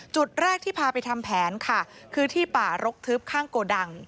จุดแรกที่พาไปทำแผนค่ะคือที่ป่ารกทึบข้างโกดัง